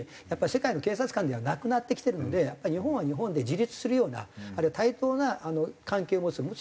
やっぱり世界の警察官ではなくなってきてるので日本は日本で自立するようなあるいは対等な関係を持つ。